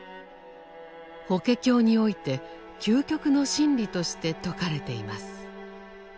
「法華経」において究極の真理として説かれています。